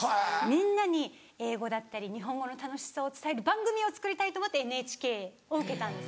みんなに英語だったり日本語の楽しさを伝える番組を作りたいと思ってＮＨＫを受けたんです。